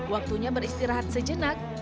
waktunya beristirahat sejenak